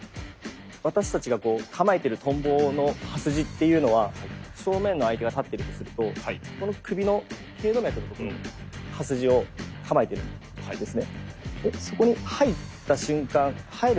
私たちが構えてる「蜻蛉」の刃筋っていうのは正面の相手が立ってるとするとこの首の頸動脈のところ刃筋を構えてるんですね。